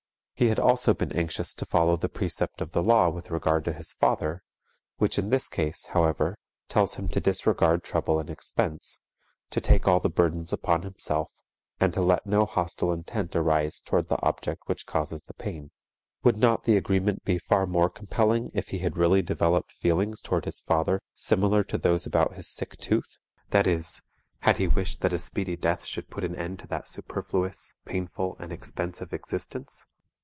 He had also been anxious to follow the precept of the law with regard to his father, which in this case, however, tells him to disregard trouble and expense, to take all the burdens upon himself and to let no hostile intent arise toward the object which causes the pain. Would not the agreement be far more compelling if he had really developed feelings toward his father similar to those about his sick tooth; that is, had he wished that a speedy death should put an end to that superfluous, painful and expensive existence?